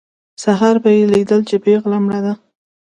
سهار به یې لیدل چې پېغله مړه ده.